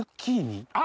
あ！